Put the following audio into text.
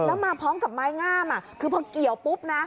แล้วมาพร้อมกับไม้งามคือพอเกี่ยวปุ๊บนะ